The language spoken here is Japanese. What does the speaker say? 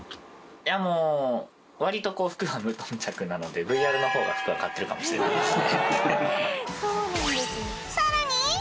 いやあもう割とこう服は無頓着なのでＶＲの方が服は買ってるかもしれないですね。